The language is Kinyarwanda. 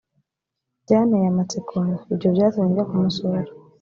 byantey amatsiko ibyo byatumye njya kumusura